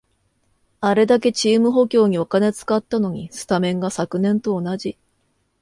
あれだけチーム補強にお金使ったのに、スタメンが昨年と同じ